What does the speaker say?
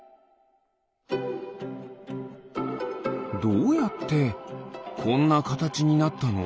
どうやってこんなカタチになったの？